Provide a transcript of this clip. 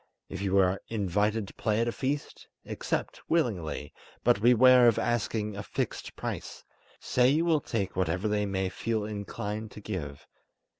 If you are invited to play at a feast, accept willingly, but beware of asking a fixed price; say you will take whatever they may feel inclined to give.